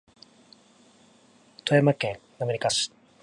富山県滑川市